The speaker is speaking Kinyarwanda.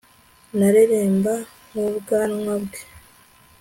Nareremba nkubwanwa bwe